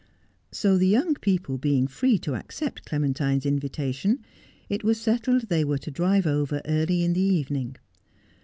So the young people being free to accept Clementine's invita 1JJ8 Just as I Am. tion it was setthd they were to drive over early in the evening.